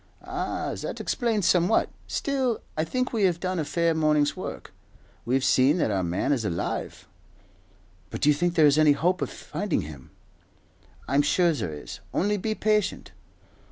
"Ah, that explains somewhat. Still, I think we have done a fair morning's work. We've seen that our man is alive." "But do you think there is any hope of finding him?" "I'm sure there is, only be patient."